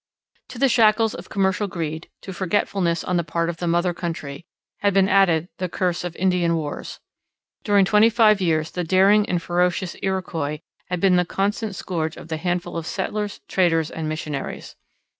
To the shackles of commercial greed, to forgetfulness on the part of the mother country, had been added the curse of Indian wars. During twenty five years the daring and ferocious Iroquois had been the constant scourge of the handful of settlers, traders, and missionaries.